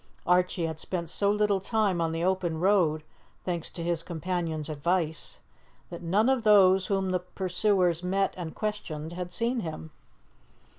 Archie had spent so little time on the open road, thanks to his companion's advice, that none of those whom the pursuers met and questioned had seen him.